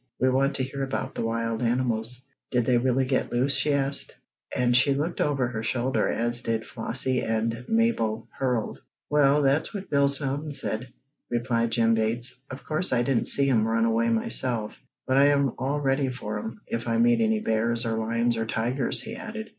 "We want to hear about the wild animals. Did they really get loose?" she asked, and she looked over her shoulder, as did Flossie and Mabel Herold. "Well, that's what Bill Snowden said," replied Jim Bates. "Of course I didn't see 'em run away myself, but I'm all ready for 'em, if I meet any bears, or lions or tigers," he added.